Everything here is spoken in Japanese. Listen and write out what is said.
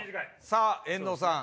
さぁ遠藤さん。